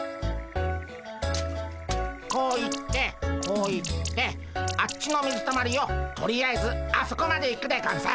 こう行ってこう行ってあっちの水たまりをとりあえずあそこまで行くでゴンス。